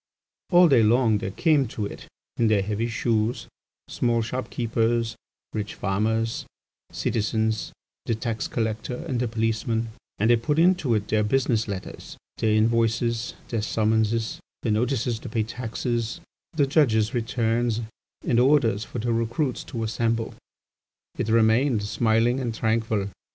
"All day long there came to it, in their heavy shoes, small shop keepers, rich farmers, citizens, the tax collector and the policeman, and they put into it their business letters, their invoices, their summonses their notices to pay taxes, the judges' returns, and orders for the recruits to assemble. It remained smiling and tranquil.